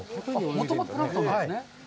もともとプランクトンなんですね。